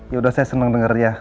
yaudah saya seneng denger ya